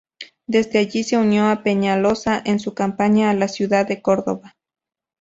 Desde allí se unió a Peñaloza en su campaña a la ciudad de Córdoba.